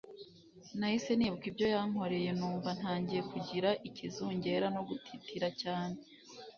nahise nibuka ibyo yankoreye numva ntangiye kugira ikizungera no gutitira cyane